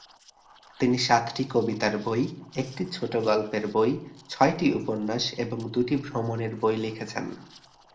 তিনি সাতটি কবিতার বই, একটি ছোট গল্পের বই, ছয়টি উপন্যাস এবং দুটি ভ্রমণের বই লিখেছেন।